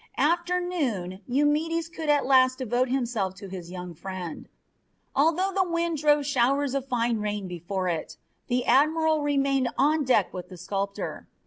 After noon Eumedes could at last devote himself to his young friend. Although the wind drove showers of fine rain before it, the admiral remained on deck with the sculptor.